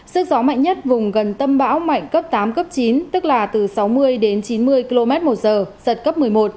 sức gió mạnh nhất vùng gần tâm bão mạnh cấp tám cấp chín tức là từ sáu mươi đến chín mươi km một giờ giật cấp một mươi một